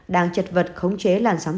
đang chật vật khống chế làn sóng